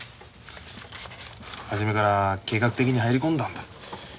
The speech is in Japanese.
初めから計画的に入り込んだんだ。